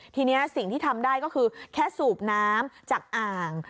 ทีนี้สิ่งที่ทำได้ก็คือแค่สูบน้ำจากอ่าง